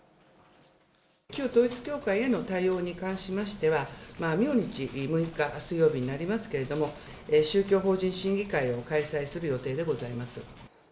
旧統一教会への対応に関しましては、明日６日水曜日になりますけれども、宗教法人審議会を開催する予定でございます。